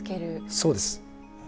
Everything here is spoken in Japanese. そうです。